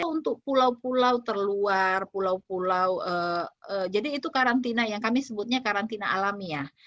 untuk pulau pulau terluar pulau pulau jadi itu karantina yang kami sebutnya karantina alamiah